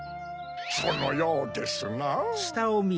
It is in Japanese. そのようですなぁ。